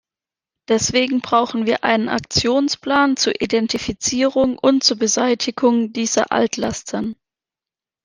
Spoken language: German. Deswegen brauchen wir einen Aktionsplan zur Identifizierung und zur Beseitigung dieser Altlasten.